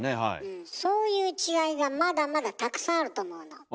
うんそういう違いがまだまだたくさんあると思うの。